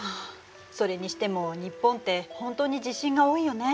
それにしても日本って本当に地震が多いよね。